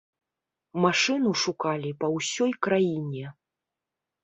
Машыну шукалі па ўсёй краіне.